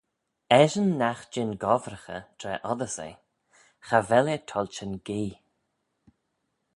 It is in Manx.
Eshyn nagh jean gobbraghey tra oddys eh, cha vel eh toilçhin gee.